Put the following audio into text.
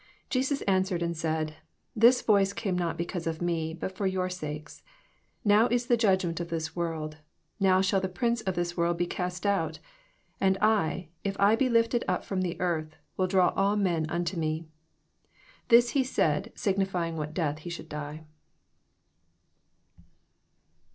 30 Jesus answered and said. This voice came not because of me, but for your sakes. 31 Now is the judgment of this world: now shall the prince of this world be cast out. 32 And I, if I be lifted up from the earth, will draw all men unto me. 33 This he said, signifying what death he should die.